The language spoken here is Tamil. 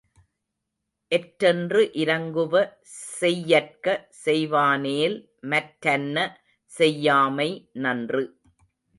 எற்றென்று இரங்குவ செய்யற்க செய்வானேல் மற்றன்ன செய்யாமை நன்று.